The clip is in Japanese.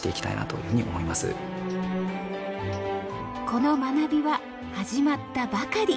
この学びは始まったばかり。